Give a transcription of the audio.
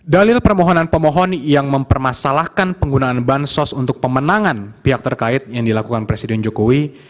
dalil permohonan pemohon yang mempermasalahkan penggunaan bansos untuk pemenangan pihak terkait yang dilakukan presiden jokowi